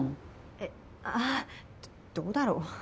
えああどうだろ。